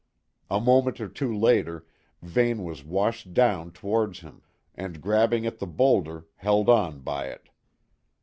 A moment or two later, Vane was washed down towards him, and grabbing at the boulder held on by it.